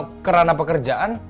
ke kerana pekerjaan